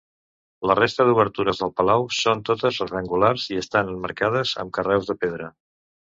La resta d'obertures del palau són totes rectangulars i estan emmarcades amb carreus de pedra.